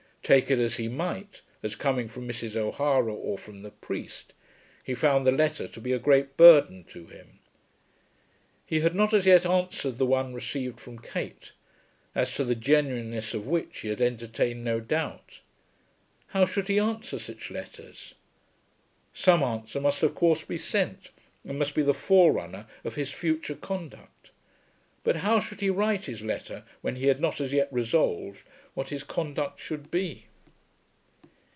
Take it as he might as coming from Mrs. O'Hara or from the priest, he found the letter to be a great burden to him. He had not as yet answered the one received from Kate, as to the genuineness of which he had entertained no doubt. How should he answer such letters? Some answer must of course be sent, and must be the forerunner of his future conduct. But how should he write his letter when he had not as yet resolved what his conduct should be?